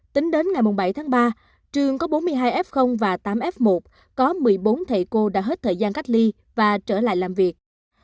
tính đến ngày bảy tháng ba trường có bốn mươi hai f và tám f một có một mươi bốn thầy cô đã hết thời gian cách ly và trở lại làm việc